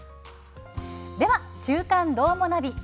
では、マヤさん「週刊どーもナビ」